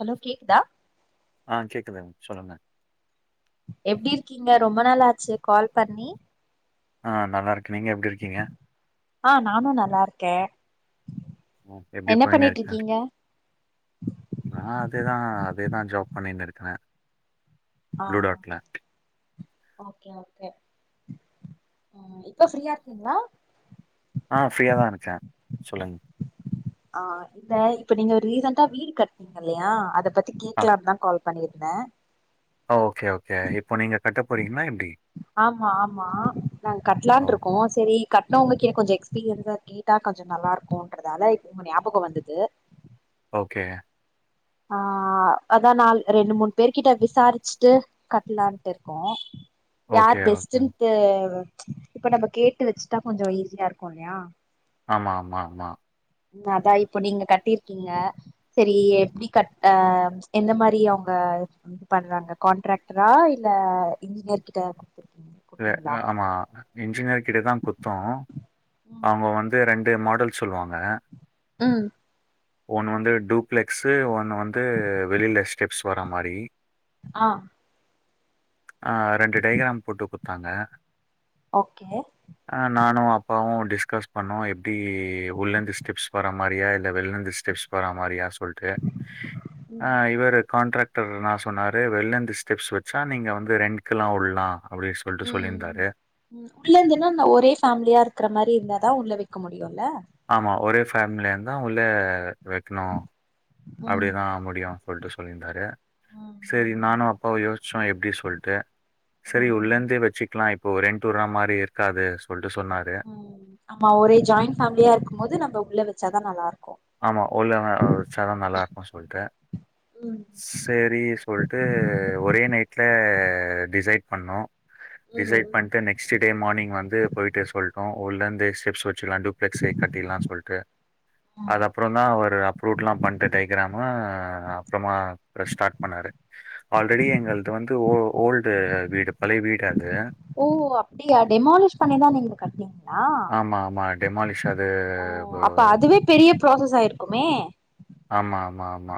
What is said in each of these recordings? Hello கேக்குதா ஆஹ் கேக்குது சொல்லுங்க எப்படி இருக்கீங்க ரொம்ப நாாளாச்சு கால் பண்ணி ஆஹ் நல்லா இருக் ஆஹ் நானும் நல்லா இருக்கேன் ம். எப்டி என்ன பண்ணிட்டு இருக்கீங்க நா அதேதா அதேதா ஜாப் பண்ணிட்டு இருக்கிறே ஆ ப்ளூ டாட்ல ஓகே ஓகே ம் இப்ப ஃப்ரீயா இருக்கீங்களா ஆஹ் ஃப்ரீயாதா இருக்கே சொல்லுங்க ஆஹ் இல்ல இப்ப நீங்க ரீசண்டா வீடு கட்னீங்க இல்லையா அத பத்தி கேக்லாதா கால் பண்ணிருந்தே ஓ ஓகே ஓகே இப்போ நீங்க கட்டப்போறீங்களா எப்படி ஆமா ஆமா நாங்க ஓ கட்லான் இருக்கோ சரி கட்னவங்களுக்கு ஏன்ன கொஞ்சம் எக்ஸ்பீரியன்ஸா கேட்டா கொஞ்ச நல்லாருப்போ இப்ப உங்க ஞாபக வந்தது ஓகே ஆஹ அதான் நால ரெண்டு மூணு பேர்க கிட்ட விசாரிச்சுட்டு கட்டலான்ட்டு இருக்கோ ஓகே, யார் பெஸ்ட் ஓகே. இப்ப நம்ம கேட்டு வச்சுட்டா கொஞ்ச ஈஸியா இருக்கு இல்லையா ஆமா ஆமா ஆமா உ அதா இப்போ நீங்க கட்டிருக்கீங்க சரி எப்படி க அஹ எந்த மாதிரி அவங்க இது பண்றாங்க கான்ட்ராக்டரா இல்ல இன்ஜினியர் கிட்ட குத்துருக் இல்ல குடுத்தீங்களா ஆமா. இன்ஜினியர் கிட்ட தா குத்தோ அவங்க வந்து ரெண்டே மாடல் சொல்லுவாங்க உஹம் ஒண்ணு வந்து டூப்ளெக்ஸ் ஒண்ணு வந்து வெளியில ஸ்டெப்ஸ் வராமாரி ஆஹ ஆஹரெண்டு டைகிரா போட்டு கொடுத்தாங்க ஓகே ஆஹ் நானும் அப்பாவும் டி பண்ணோ எப்படி உள்ள இருந்து ஸ்டெப்ஸ் போற மாதிரியா இல்ல வெளிவந்து ஸ்டெப்ஸ் போற மாதிரியா சொல்லட்டு ஆ ம் இவரு கான்ட்ராக்ட் நா சொன்னாரு வெள்ளந்த ஸ்டெப்ஸ் வச்சா நீங்க வந்து ரெண்டுகிலா ஒடலா உம் உ உள்ள இருந்துன்னா அ ஒரே ஃபேமிலியா இருக்கிற மாதிரி இருந்த அதா உள்ளவை இருக்க முடியுல ஃபேமிலியந்தா உள்ள க்கணும் ம் அப்படிதா முடியும்னு சொல்லிட்டு சொல்லியிருந்தாரு ம் சரி நானும் அப்பாவ யோசிச்ச செ எப்படி சொல்லிட்டு சரி ம் உள்ளருந்தே வச்சுக்கலா இப்போ ரெண்ட்டு உடுர மாதிரி இருக்காது சொல்லிட்டு ம் ஆமா ஒரே ஜாயிண்ட் ஃபேமிலியா இருக்கும்போது நம்ம உள்ள வந்து நல்லா இரு ஆமா உள்ள வச்ச சார்ன் நல்லா இருக்கும்னு சொல்லிட்டு ம் சரி சொல்லிட்டு ஒரே நைட்ல டிசைட் பண்ணோம் ம் டிசைட் பண்ணிட்டு நெக்ஸ்ட் டே மார்னிங் வந்து போயிட்டு சொல்லிட்டோம் உள்ள இருந்தே ஸ்டெப்ஸ் கட்டலாம்னு டூப்லேஸ் ஏட்டு கடிலானு சொல்லிட்டு ம் அதுப்புற தான் அப்ரூல்லாம் பண்ணட்டு டைக்கிராமு ஆ அப்புறமா ஸ்டார்ட் பண்ணாரு ஆல்ரெடி எங்களது வந்து ஓல்டு வீடு பழைய வீடு அது. ஓ அப்டியா டெமாலிஷ் பண்ணிதா நீங்க கட்னிங் ஆமா ஆமா டெமாலிஷ் அது ஓ மே ஆமா ஆமா ஆமா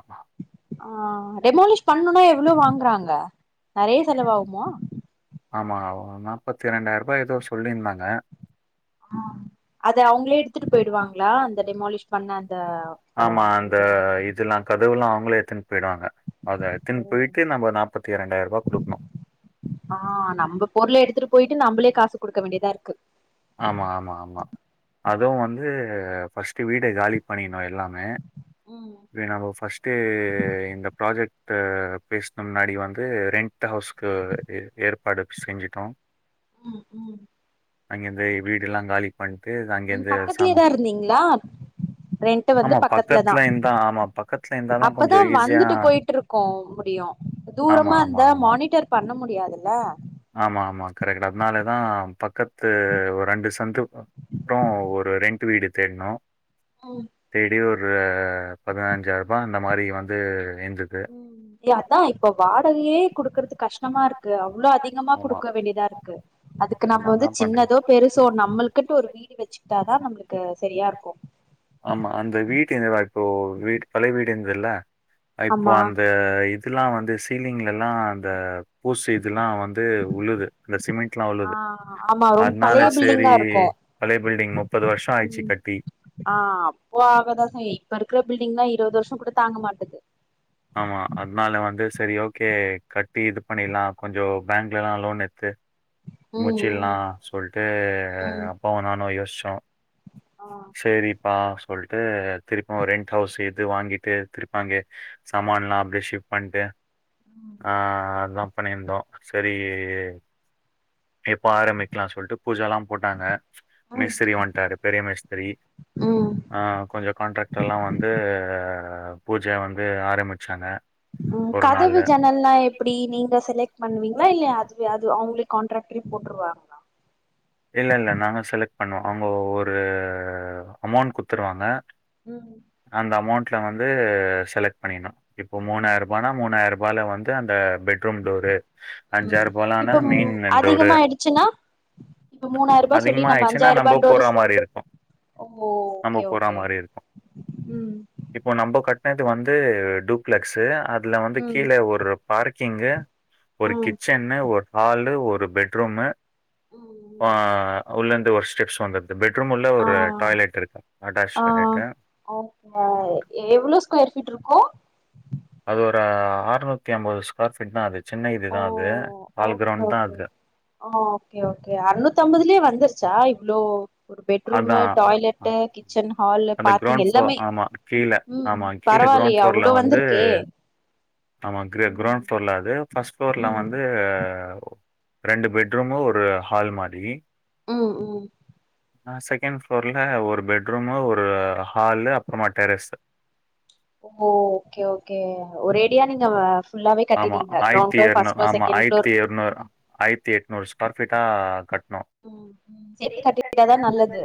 ஆஹ் ரெமாலிஷ் பண்ணுனா எவ்வளவு வாங்குறாங்க நிறைய செலவாகுமா முப்பத்தி இரண்டாயிர ரூபா ஏதோ சொல்லியிருந்தாங்க அத அவங்களே எடுத்துட்டு போயிடுவாங்களா அந்த டெமாலிஷ் பண்ண அந்த ஆ ஆமா அந்த இதெல்லா இதெல்லா கதவுலா அவுங்களே எடுத்துனுபோய்டுவாங்க அத எடுத்தின் போயிட்டு நம்ம நாப்பத்தி இரண்டாயிர ரூபா குடுக்கணு ஆ நம்ம பொருள எடுத்துட்டு போயிட்டு நம்மளே காசு குடுக்க வேண்டியதா இருக்கு ஆமா ஆமா ஆமா அதுவு வந்து ஃபஸ்டு வீட காலி பண்ணினு எல்லாமே ம் இது நம்ம அ பேசுன முன்னாடி வந்து ரெண்ட் ஹவுஸ்கு ஏற்பாடு செஞ்சுட்டோ உம் உம் அங்கந்த வீடுல்லா காலி பண்ணிட்டு, உம் அங்கேருந்து பக்கத்துலயேதா சாமான் இருந்தீங்களா ரெண்ட் வந்து ஆமா பக்கத்துல தா இருந்தா ஆமா பக்கத்துல இருந்தா தான் அப்பதா கொஞ்சம் ஈஸியா வந்துட்டு போயிட்டு இருக்கோ முடியும் ஆமா, தூரமா ஆமா, அந்த ஆமா. மானிட்டர் பண்ண முடி தெரியாதுல்ல ஆமா ஆமா கரெகட் அதனாலேதா பக்கத் து ஒரு ரெண்டு சந்து [unintelligible] ஒரு ரெண்ட் வீடு தேடணு ம் தேடி ஒரு ஒரு பதினஞ்சாயரூபா இந்த மாரி வந்து இருந்தது. உம் அதா இப்ப வாழ் டகையே குடுக்கறது கஷ்டமா இருக்கு அவ்வளோ அதிகமா ஆமா. குடுக்க வேண்டியதா இருக்கு அதுக்கு நம்ம ஆமா. வந்து என்ன பண்றது? சின்னதோ பெருசோ நம்மளுகண்ட்டு ஒரு வீடு வச்சுக்கிட்டாதா நம்மளுக்கு சரியா இருக்கு ஆமா. இருந்துல்ல இப்போ ஆமா அந்த இது இதுலா வந்து சி பிள்ளைங்கலலா அந்த பூசு இதுல்லா வந்து உழுது அந்த சிமெண்ட்ல்லா ஆ உழுது ஆமா ரொம்ப அதனால பழைய சேரி பில்டிங்கா இருக்கு பழைய பில்டிங் முப்பது வருஷம் ஆயிச்சு ம் கட்டி ஆ இருபது வருஷம் கூட தாங்க மாட்டது ஆமா அதனால வந்து சேரி ஓகே கட்டி இது பண்ணிலா கொஞ்சம் பேங்க்லலா லோன் எடுத்து ம் முச்சிடலா ம் சொல்ட்டு ம் அப்பாவு நானு யோசி சோ ஆ சேரி ப்பா சொல்ட்டு திருப்ப ஒரு ரெண்ட் ஹவுஸ் எது வாங்கிட்டு திருப்பாங்கே சாமான்லா அப்டியே ஷிப்ட் பண்ட்டு ஆஹ் அதா பண்ணியிருந்தோம் சேரி எப்ப ஆரம்பிக்கலாம் சொல்லிட்டு பூஜல்லாம் போட்டாங்க மேஸ்திரி வந்துட்டாரு பெரிய மேஸ்திரி ம் ம் ஆஹ் கொஞ்ச கான்ட்ராக்லாம் வந்து பூஜ வந்து ஆரம்பிச்சாங்க உம் ஒரு கதவு ஜனல்ல்லாம் எப்படி நீங்க செலக்ட் பண்ணுவீங் இல்லையா அதுவே அது அவங்களே கான்ட்ராகரே போட்டுருவாங்காளா இல்ல, இல்ல. நாங்க செலக்ட் பண்ணுவோம் அவங்கே ஒரு அமௌண்ட் குடுத்துருவாங்க ம் அந்த அமௌண்ட்ல வந்து செலக்ட் பண்ணினும் இப்ப மூணாயிர ரூபானா மூணாயிர வேல வந்து அந்த பெட்ரூம் டோரு உம் இப்ப மெயின் டோரு. அதிகமாயிடுச்சுன்னா இப்ப மூணாயிரரூபா சொல்லி அதிகமா நம்ம ஆயிடுச்சுன்னா அஞ்சாயிரரூபா நம்ப டோறு போறா மாரி இருக்கும். நம்ப ஓகே போறா ஓகே மாரி உம் பட்டனத்து வந்து டூப்ளெக்ஸ் அது வந்து ம் கீழே ஒரு பார்க் கிங்கு ஒரு ம் கிச்சன்னு ஒரு ஹாலு ஒரு பெட்ரூமு ஆஹ் உள்ளந்து ஒரு ஸ்டெப்ஸ் வந்து பெட்ரூம் உள்ள ஆ ஒரு டாய்லெட் இருக்கு அட்டாச் ஆ டாய்லெட்டு ஓகே எவ்ளோ ஸ்கொயர் ஃபீட் இருக்கு அறுனுத்தி அம்பது ஸ்கொயர் பீ்ட் தான் அது சின்ன ஓ இதுதா அது கால் கிரவுண்ட் தா அது ஒகே ஓகே அறுநூத்தி ஐம்பதுலயே வந்துருச்சா இவ்ளோ ஒரு பெட்ரூம் அதான். அ- டாய்லெட்டு் கிச்சன் ஹால் அந்த பார்க்கிங் கிரவுண்ட் ஃப்ளோர் எல்லாமே ஆமா. கீழ. உம் ஆமா. கீழ கிரவுண்ட் பரவாயில்யா ஃப்ளோர்ல அவ்வளவு வந்து வந்திருக்கே ஆமா ம் கிரௌண்ட் ஃபோர்லர்ஸ் அது ஃபர்ஸ்ட் புலோரல ம் வந்து ரெண்டு பெட்ரூம் ஒரு ஹால் மாதிரி உம் உம் ந செகண்ட் ஃப்ளோர்ல ஒரு பெட்ரூமு ஒரு ஹாலு அப்புறமா டெரஸ் ஓ ஓகே ஓகே ஒரு ஏடியா நீங்க ஃபுல்லாவே ஆமா. கட்டிட்டீங்க கிரௌண்ட்புளோர் ஃபஸ்டுபுளோர் ஆமா. செகண்ட் புளோர் பிட்டு தா கட் சேர்த்து கட்டிக்கிட்டாதா நல்லது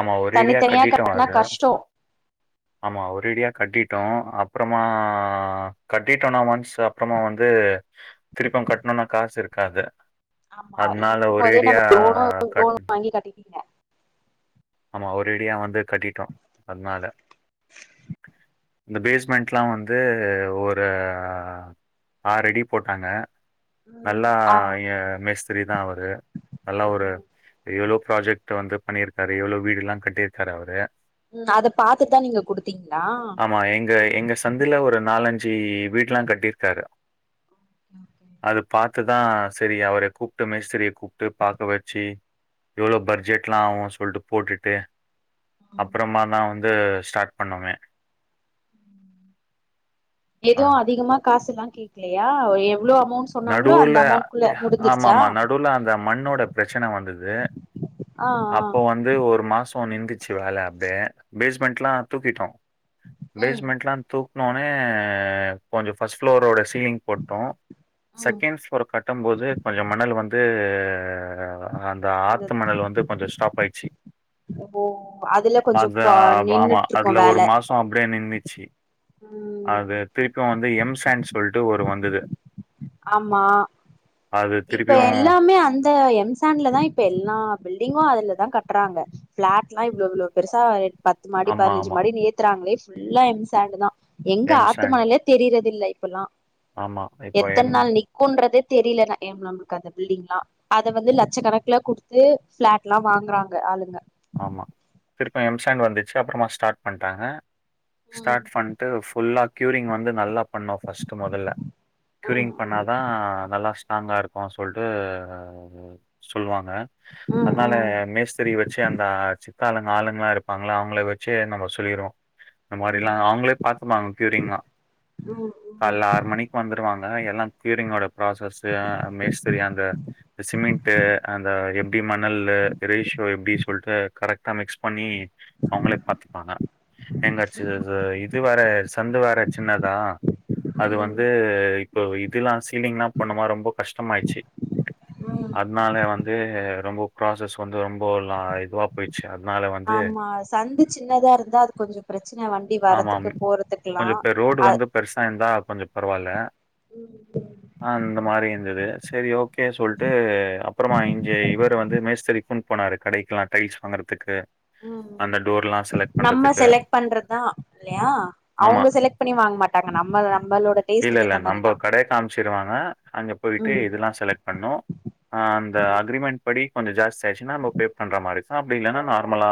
ஆமா ஒரேடியா தனித்தனியா கட்டிட்டோம் கட்டினா அது. கஷ்டம் ஆமா. ஒரேடியா கட்டிட்டோம். அப்புறமா கட்டிட்டோம்னா ஒன்ஸ் அப்புறமா வந்து திருப்பம் கட்டணும்னா காசு இருக்காது ஆமா அதனால இருக்கும் போதே ஒரேடியா நம்ம லோனு கட் லோனு வாங்கி கட்டிட்டிங்க ஆமா ஒரேடியா வந்து கட்டிட்டு அத்னால இந்த பேஸ்மெண்ட்லா வந்து ஒரு ஆறடி போட்டாங்க ம் நல்லா ஆ ய மேஸ் தா அவரு நல்லா ஒரு ம் எழு ப்ராஜெக்ட் வந்து பண்ணிருக்கா எவ்ளோ வீடுல்லா கட்டிருக்காரு அவரு உம் அத பாத்துட்தா நீங்க குடுத்தீங்ளா சி வீட்லா கட்டிருக்காரு அத பாத் துட்தா செரி அவரெ கூப்ட்டு மேஸ்த்ரிய கூப்ட்டு பாக்க வெச்சி எவ்ளோ பட்ஜெட்லா ஆவு சொல்ட்டு போட்டுட்டு ம் அப்றமா தா வந் து ஸ்டாட் பண்ணோமே ஆ எதுவு அதிகமா காசுல்லா கேக்லையா எவ்ளோ அமௌண்ட் சொன்னாங்ளோ அந்த நடுவுல அமௌண்ட்க்குள்ள ஆமா முடிஞ்சிருச்சா ஆமா நடுவுல அந்த மண்ணோட பிரச்சன வந்தது அ அ அப்போ வந்து ஒரு மாசொ நிந்துச்சு வேல அப்டே பேஸ்மெண்ட்லா தூக்கிட்டோ ம் பேஸ்மெண்ட்லா தூக் னொனே கொஞ்சொ ஃபஸ் ஃப்ளோரோட சீலிங் போட்டோ ம் செகண்ட் ஃப்ளோர கட்டம் போது கொஞ்சம் மணல் வந்து ஆ ஆ அந்த ஆத்து மணலு வந்து கொஞ்சொ ஸ்டாப் பாய்ச்சி ஓ அதுல கொஞ்சோ அது ப்ரா ஆ ஆமா நின்னுட்டு இருக்கு அதுல வேல ஒரு மாசொ அப்டியே நின்னுச்சி அத திருப்பியு வந்து எம் சாண்ட் சொல்ட்டு ஒரு வந்துது ஆமா இப்ப திருப்பியும் எல்லாமே அந்த எம்சான்ட்லதா இப்ப எல்லா பில் டிங்கு அதுலதா கட்றாங்க ப்ளாட்னா இவ்ளோ இவ்ளோ பெருசா எட் பத்து மாடி ஆமா, பதினஞ்சி ஆமா. மாடினு ஏத்துறாங்களே ஃபுல்லா எம்சாண்டு தா எங்க எம் ஆத்து சாண்ட் மணலே தெரிய்றதில்ல பொல்லா ஆமா. இப்போ எத்தன் எம் நாள் நிக்குன்றதே தெரியிலன நமக் அந்த பில்டிங்லா அத வந்து லட்ச கணக்குல குடுத்து ப்ளாட்லா வாங்குறாங்க ஆளுங்க ஆமா திருப்பே எம் ஸாண்ட் வந்துச்சி அப்பறமா ஸ்டாட் பண்ட்டாங்க ம் ஸ்டாட் ஃபண்ட்டு ஃபுல்லா க்யூரிங் வந்து நல்லா பண்ணோம் ஃபஸ்ட் முதல்ல ம் கியூரிங் பண்ணாதா நல்லா ஸ்டாங்கா இருக்கனு சொல்டு சொல்லுவாங்க ம் அதனால ம் மேஸ்திரி வெச்சு ச்சி அந்தா சி சித்தாளுங்க ஆளுங்களா இருப்பாங்களா அவங்கள வெச்சு நம்ம சொல்லிடுவோ இந்த ம் மாதிரிலா அவங்களே பார்த்தப்பாங்க கீயூரிங்கால ம் கால்ல ஆறு மணிக்கு வந்துருவாங்க எல்லா கீயூரிங்யோட ப்ராசஸ் மேஸ்திரி அந்த சிமெண்ட் அந்த எம் மணல்ல ரேஷியோ எப்டி கரெக்ட்டா மிக்ஸ் பண்ணி அவங்களே பாத்துப்பாங்க எங்க இ இது வேற சந்து வேற சின்னதா அது ம் வந்து இப்போ இததெல்லா சீலிங்ல்லா பண்ணமா ரொம்ப கஷ்டமாயிடுச்சு ம் ம் அதனால வந்து ரொம்ப ஃபராசஸ் வந்து ரொம்பால ஆயி இதுவா போய்ட் ஆமா சந்தி சின்னதா இருந்தா அது கொஞ்சம் பிரச் ஆமாம் கொஞ்சம் பெ ரோடு அ வந்து பெருசா இருந்தா கொஞ்ச பரவாயில்ல ம் ஆஹ் இந்த மாரி இருந்தது செரி ஓகே சொல்டு அப்புறமா இங்க இவரு வந்து மேஸ்தரி போன் பண்ணாறு கடைக்கெல்லா டைல்ஸ் வாங்குறதுக்கு உம் உம் நம்ம செலக்ட் பண்றதா ஆமா மாட்டாங்க நம்ம நம்மளோட இல்ல டேஸ்ட்டுக்கு இல்ல ஏத்த மாரிதா நம்ம கடய காமிச்சிருவாங்க அங்க போய்ட்டு ம் இதல்லா செலக்ட் பண்ணும் அந்த அங்ரிமென்ட் படி கொஞ்சம் ஜாஸ்தி ச்சுனா நம்ப பே பண்ற மாரி அப்படி இல்லனா நார்மலா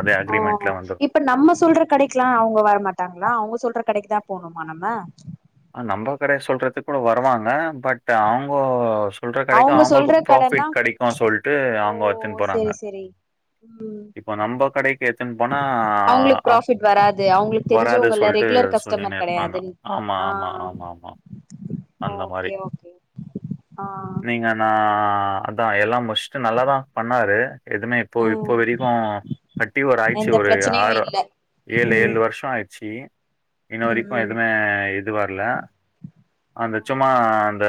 அதே அக்ரிமெண்ட்ல வந்துரு ல்லா அவங்க வர மாட்டாங்களா அவங்க சொல்ற கடைக்கு தா போணுமா நம்ம ஆஹ் நம்ம கடய சொல்றதுக்கு கூட வருவாங்க பட் அவுங்கோ சொல்ற கடெக்கு அவுங்க அவங்களுக்கு சொல்ற கடன்னா ப்ராஃபிட் கெடக்குனு சொல்ட்டு ஓ அவுங்க எத்துன்னு போறாங்க. செரி செரி இப்ப நம்ம கடைக்கு எத்துன்னு போனா அவ்ங்களுக்கு ஆ ப்ராஃபிட் வராது அவங்களுக்கு வராது தெரிஞ்சவங்கல சொல்ட்டு ரெகுலர் கஸ்டமர் கெடையாதுன்னு ஹா ஆ ஆமாம்மா அந்த மாரி ஓகே ஆ நீங்க நா ஆ அதா எல்லா முஷ் நல்லா தா பண்ணாரு எதுமே இப்போ ம் இப்போ வரக்குயு கட்டி ஒரு ஆய்ச்சு எந்த ஒரு பிரச்சனையு ஆறு இல்ல ஏழு ஏழு ம் வருஷோ ஆய்டுச்சி இன்ன ம் வரக்குயு ம் எதுமே இது இது வர்ல அந்த சும்மா அந்த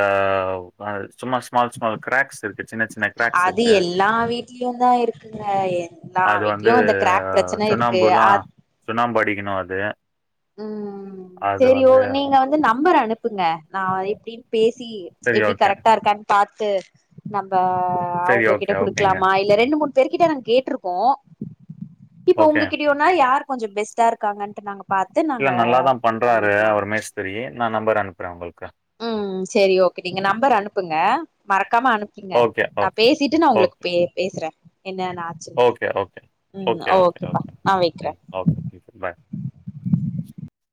[unintelligible] சும்மா ஸ்மால் ஸ்மால் க்ரேக்ஸ் இருக்கு சின்ன சின்ன க்ராக்ஸ் அது இருக்கு எல்லா வீட்லயு தா இருக்குங்க எல்லா அது வந்து வீட்லயு இந்த கிராக் பிரச்சன இருக்கு சுண்ணாம்பு லா சுண்ணாம்பு அடி டிக்கணு அது உம் அது செரியோ வந்து நீங்க வந்து நம்பர் அனுப்புங்க நா எப்பிடினு பேசி சரி எப்படி ஓகே. கரெக்ட்டா இருக்கானு பா ச்சே நம்ம ஹ சரி ஓகே, அவங்ககிட்ட ஓகேங்க. குடுக்கலாமா இல்ல ரெண்டு மூணு பேரு கிட்ட நாங்க கேட்டிருக்கோ. இப்ப ஓகே. உங்ககிட்டயுனா யாரு கொஞ்சோ பெஸ்ட்டா இருக்காங்கட்டு நாங்க பாத்து இல்ல நாங்க நல்லாதா பண்றாரு பண்ணிக்கலா அவரு மேஷ்திரி நா நம்பர் அனுப்பற உங்களுக்கு உம் செரி ஓகே நீங்க நம்பர் அனுப்புங்க மறக்காம அனுப்புங்க ஓகே, நா ஓகே. பேசிட்டு நா ஓகே, உங்களுக்கு பே பேசற என்ன னா ஆச்சுன் okay, okay okay okay okay பாய்